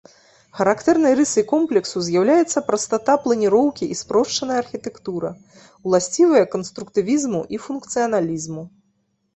Характэрнай рысай комплексу з'яўляецца прастата планіроўкі і спрошчаная архітэктура, уласцівыя канструктывізму і функцыяналізму.